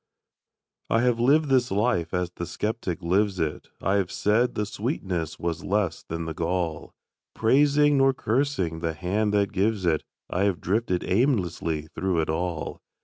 I have lived this life as the skeptic lives it; I have said the sweetness was less than the gall; Praising, nor cursing, the Hand that gives it, I have drifted aimlessly through it all.